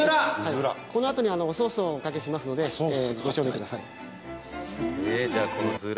このあとにおソースをおかけしますのでご賞味ください。